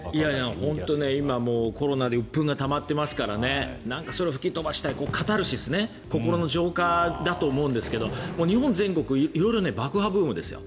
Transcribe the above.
本当に今、コロナでうっ憤がたまっていますからなんかそれを吹き飛ばしたいカタルシスね心の浄化だと思うんですけど日本全国色々爆破ブームですよ。